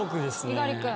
猪狩君。